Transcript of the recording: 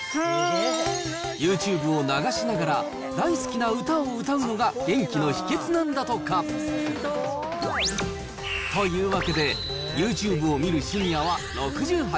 ユーチューブを流しながら、大好きな歌を歌うのが元気の秘けつなんだとか。というわけで、ユーチューブを見るシニアは６８％。